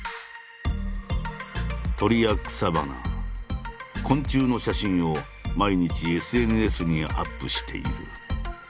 鳥や草花昆虫の写真を毎日ＳＮＳにアップしている。